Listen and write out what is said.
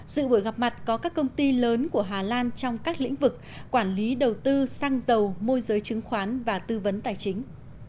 dự buổi gặp mặt có các công ty lớn của hà lan trong các lĩnh vực quản lý đầu tư xăng dầu môi giới chứng khoán và tư vấn tài chính